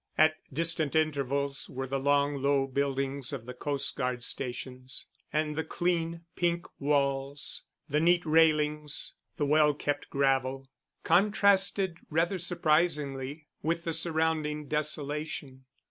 At distant intervals were the long, low buildings of the coastguard stations; and the clean, pink walls, the neat railings, the well kept gravel, contrasted rather surprisingly with the surrounding desolation.